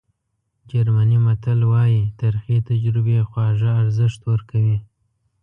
جرمني متل وایي ترخې تجربې خواږه ارزښت ورکوي.